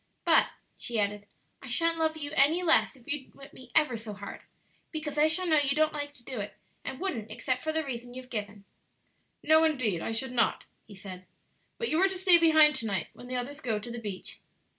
But," she added, "I sha'n't love you any less if you whip me ever so hard, because I shall know you don't like to do it, and wouldn't except for the reason you've given." "No, indeed, I should not," he said; "but you are to stay behind to night when the others go to the beach."